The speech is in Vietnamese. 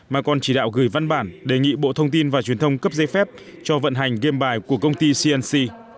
mà còn chỉ đạo gửi văn bản đề nghị bộ thông tin và truyền thông cấp giấy phép cho vận hành game bài của công ty cnc